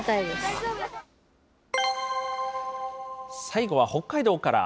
最後は北海道から。